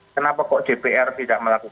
kenapa kok dpr tidak melakukan